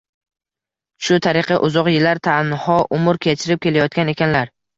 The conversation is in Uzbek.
Shu tariqa uzoq yillar tanho umr kechirib kelayotgan ekanlar.